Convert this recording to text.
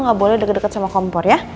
nggak boleh deket deket sama kompor ya